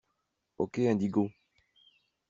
Ok Indigo